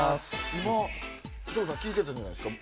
省吾さん聞いてたじゃないですか。